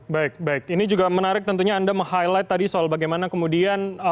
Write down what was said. baik baik ini juga menarik tentunya anda meng highlight tadi soal bagaimana kemudian